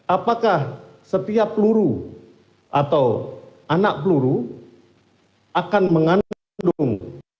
apakah setiap peluru atau anak peluru akan mengandung